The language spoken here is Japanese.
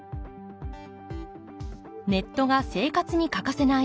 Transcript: ネットが生活に欠かせない